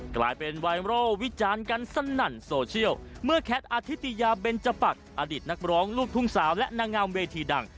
กลายเป็นไวรัลวิจารณ์กันสนั่นโซเชียลเมื่อแคทอธิติยาเบนจปักอดิตนักร้องลูกทุ่งสาวและนางงามเวทีดัง